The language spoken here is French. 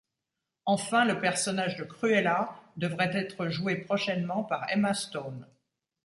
Enfin, le personnage de Cruella devrait être joué prochainement par Emma Stone.